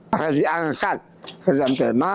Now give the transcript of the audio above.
akan diangkat ke dalam firma